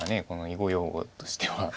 この囲碁用語としては。